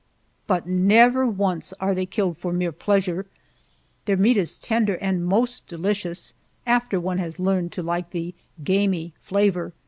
But never once are they killed for mere pleasure! Their meat is tender and most delicious after one has learned to like the "gamey" flavor.